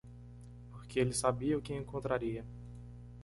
porque ele sabia o que encontraria.